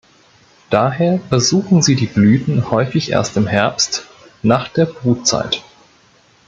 Daher besuchen sie die Blüten häufig erst im Herbst, nach der Brutzeit.